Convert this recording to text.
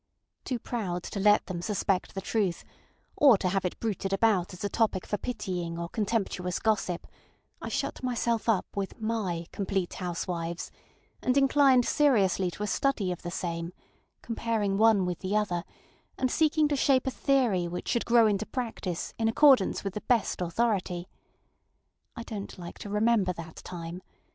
Too proud to let them suspect the truth, or to have it bruited abroad as a topic for pitying or contemptuous gossip, I shut myself up with my ŌĆ£Complete Housewives, ŌĆØ and inclined seriously to the study of the same, comparing one with the other, and seeking to shape a theory which should grow into practice in accordance with the best authority. I donŌĆÖt like to remember that time!